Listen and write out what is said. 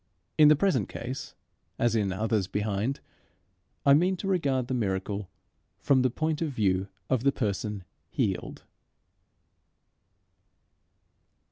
In the present case, as in others behind, I mean to regard the miracle from the point of view of the person healed.